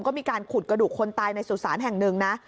ก็มีการขุดกระดูกคนตายในสุสานแห่งหนึ่งนะ